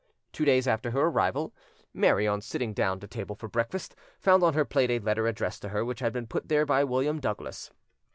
Two days after her arrival, Mary, on sitting down to table for breakfast, found on her plate a letter addressed to her which had been put there by William Douglas.